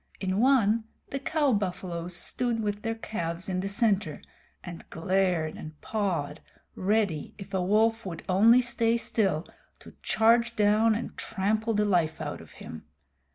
In one, the cow buffaloes stood with their calves in the center, and glared and pawed, ready, if a wolf would only stay still, to charge down and trample the life out of him.